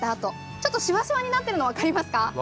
ちょっとシワシワになってるの、分かりますか？